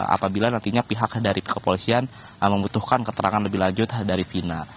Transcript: apabila nantinya pihak dari kepolisian membutuhkan keterangan lebih lanjut dari vina